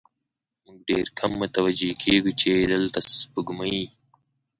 موږ ډېر کم متوجه کېږو، چې دلته سپوږمۍ